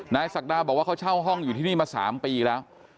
ศักดาบอกว่าเขาเช่าห้องอยู่ที่นี่มา๓ปีแล้ว